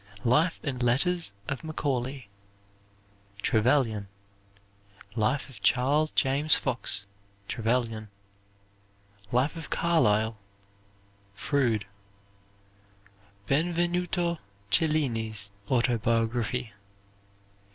"Life and Letters of Macaulay," Trevelyan. "Life of Charles James Fox," Trevelyan. "Life of Carlyle," Froude. Benvenuto Cellini's Autobiography.